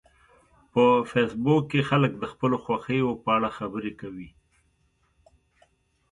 په فېسبوک کې خلک د خپلو خوښیو په اړه خبرې کوي